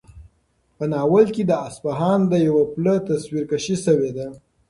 په ناول کې د اصفهان د یوه پله تصویرکشي شوې ده.